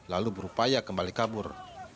lalu berupaya kembali kabur